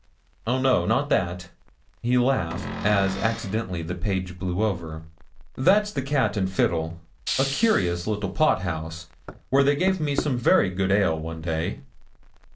Oh, no; not that,' he laughed, as accidentally the page blew over, 'that's the Cat and Fiddle, a curious little pot house, where they gave me some very good ale one day.'